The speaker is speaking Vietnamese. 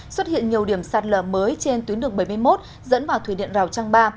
xuất hiện nhiều điểm sạt lở mới trên tuyến đường bảy mươi một dẫn vào thủy điện rào trang ba